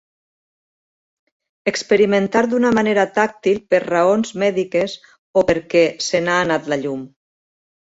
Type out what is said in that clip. Experimentar d'una manera tàctil per raons mèdiques o perquè se n'ha anat la llum.